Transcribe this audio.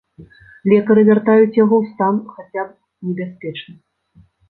Лекары вяртаюць яго ў стан хаця б небяспечны.